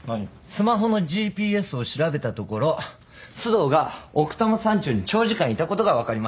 スマホのＧＰＳを調べたところ須藤が奥多摩山中に長時間いたことが分かりました。